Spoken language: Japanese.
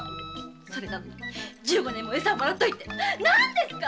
⁉それなのに十五年もエサをもらっておいて何ですか‼